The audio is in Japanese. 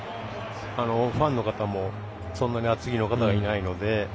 ファンの方もそんなに厚着の方はいないので。